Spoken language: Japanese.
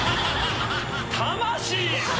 「魂」！